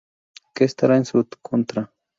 Que estará en su contra.